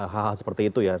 hal hal seperti itu ya